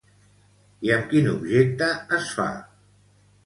I amb quin objecte es fa?